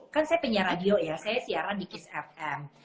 kan saya punya radio ya saya siaran di kis fm